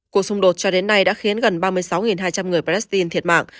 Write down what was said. cuộc xung đột cho đến nay đã khiến gần ba mươi sáu hai trăm linh người palestine thiệt mạng